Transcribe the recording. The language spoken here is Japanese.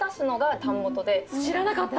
知らなかった。